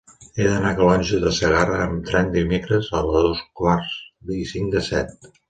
He d'anar a Calonge de Segarra amb tren dimecres a dos quarts i cinc de set.